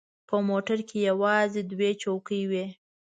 په موټر کې یوازې دوې چوکۍ وې.